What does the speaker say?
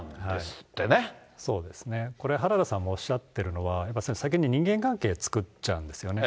これ、原田さんがおっしゃってるのは、先に人間関係を作っちゃうんですよね。